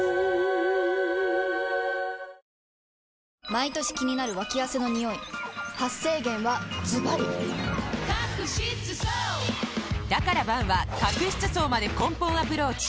毎年気になるワキ汗のニオイ発生源はズバリだから「Ｂａｎ」は角質層まで根本アプローチ！